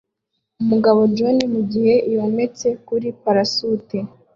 Umugabo john mugihe yometse kuri parasute